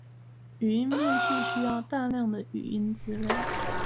語音辨識需要大量的語音資料